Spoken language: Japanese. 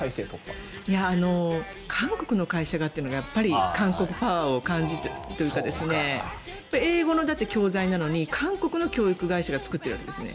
韓国の会社というのがやっぱり韓国パワーを感じるというか英語の教材なのに韓国の教育会社が作ってるわけですよね。